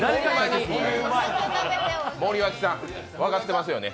森脇さん、分かってますよね